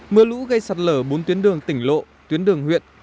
mưa lũ gây sạt lở bốn tuyến đường tỉnh lộ tuyến đường huyện